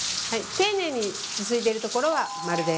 丁寧にすすいでいるところはマルです！